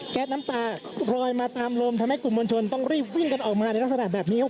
น้ำตาลอยมาตามลมทำให้กลุ่มมวลชนต้องรีบวิ่งกันออกมาในลักษณะแบบนี้